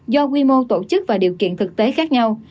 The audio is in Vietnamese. do quy mô tổ chức và điều kiện thực tế khác nhau